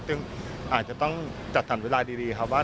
ซึ่งอาจจะต้องจัดสรรเวลาดีครับว่า